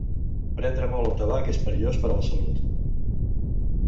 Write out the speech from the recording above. Prendre molt el tabac és perillós per a la salut.